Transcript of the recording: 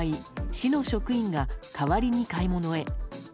市の職員が代わりに買い物へ。